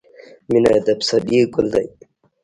• مینه د پسرلي ګل دی.